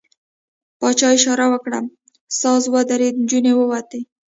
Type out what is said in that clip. پاچا اشاره وکړه، ساز ودرېد، نجونې ووتې.